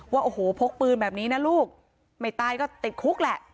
ว่าโอ้โหพกปืนแบบนี้นะลูกไม่ตายก็ติดคุกแหละ